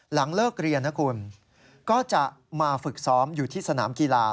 หลังเลิกเรียนนะคุณก็จะมาฝึกซ้อมอยู่ที่สนามกีฬา